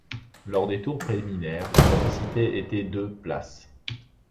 Lors des tours préliminaires, la capacité était de places.